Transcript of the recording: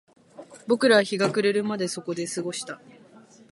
僕らは日が暮れるまでそこで過ごした